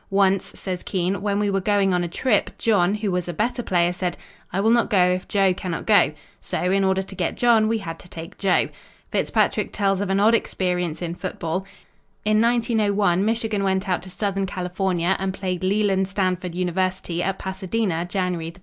"Once," says Keene, "when we were going on a trip, John, who was a better player, said, 'I will not go if Joe cannot go,' so in order to get John, we had to take Joe." Fitzpatrick tells of an odd experience in football. "In 1901 Michigan went out to Southern California and played Leland Stanford University at Pasadena, January 1.